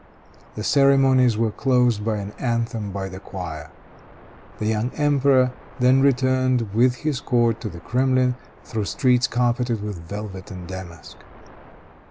The ceremonies were closed by an anthem by the choir. The young emperor then returned, with his court, to the Kremlin, through streets carpeted with velvet and damask.